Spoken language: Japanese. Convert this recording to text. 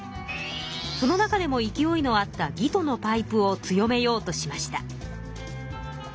その中でも勢いのあった魏とのパイプを強めようとしました。